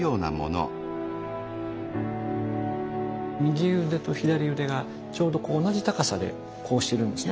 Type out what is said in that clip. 右腕と左腕がちょうど同じ高さでこうしてるんですね。